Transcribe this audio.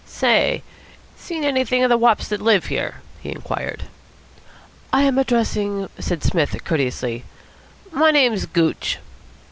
"Say, seen anything of the wops that live here?" he inquired. "I am addressing ?" said Psmith courteously. "My name's Gooch."